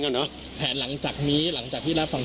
ไปเรื่อยจนกว่าคดีแมนกว่าจะถึงที่สุดจริง